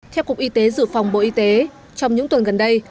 theo cục y tế dự phòng bộ y tế trong những tuần gần đây